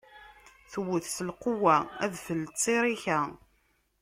Tewwet s lqewwa, adfel d tiṛika.